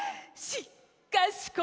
しっかし